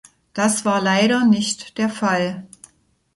Das war leider nicht der Fall.